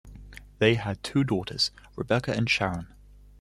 They had two daughters, Rebecca and Sharon.